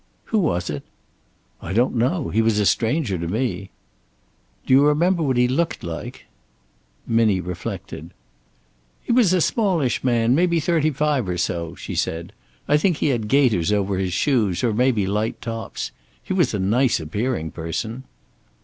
"Who was it?" "I don't know. He was a stranger to me." "Do you remember what he looked like?" Minnie reflected. "He was a smallish man, maybe thirty five or so," she said. "I think he had gaiters over his shoes, or maybe light tops. He was a nice appearing person."